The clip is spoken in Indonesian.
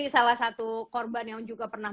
salah satu korban yang juga pernah